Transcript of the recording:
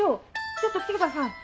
ちょっと来てください